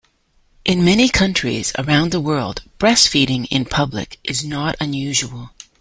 In many countries around the world, breastfeeding in public is not unusual.